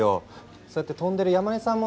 そうやって飛んでる山根さんもね